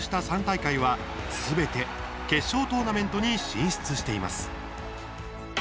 ３大会はすべて決勝トーナメントに進出しています。